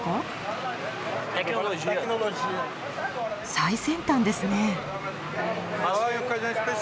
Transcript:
最先端ですね。